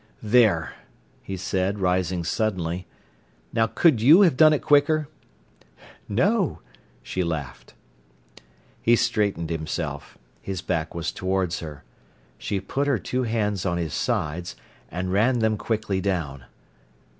"There!" he said, rising suddenly. "Now, could you have done it quicker?" "No!" she laughed. He straightened himself. His back was towards her. She put her two hands on his sides, and ran them quickly down.